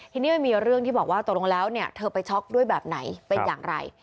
ทีนี้มันมีเรื่องที่บอกว่าตกลงแล้วเนี่ยเธอไปช็อกด้วยแบบไหนเป็นอย่างไร